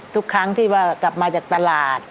ทุกครั้งที่ว่ากลับมาจากตลาด